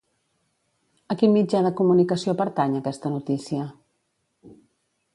A quin mitjà de comunicació pertany aquesta notícia?